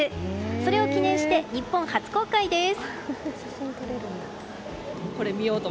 それを記念して、日本初公開です。